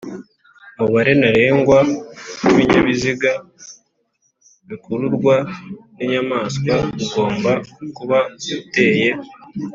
Umubare ntarengwa w’ibinyabiziga bikururwa n’inyamaswa ugomba kuba uteye